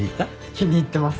気に入ってます。